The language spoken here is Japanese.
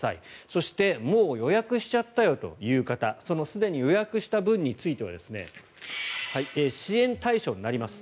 そしてもう予約しちゃったよという方そのすでに予約した分については支援対象になります。